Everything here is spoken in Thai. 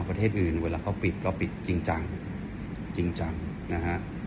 ประเทศอื่นเวลาเขาปิดก็ปิดจริงจังจริงจังนะฮะ